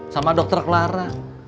sama dokter clara